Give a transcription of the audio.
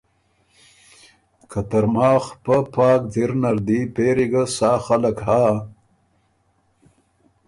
که ترماخ پۀ پاک ځِر نر دی پېری ګه سا خلق هۀ